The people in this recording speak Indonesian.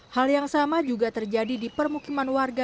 hal yang sama juga terjadi di permukiman warga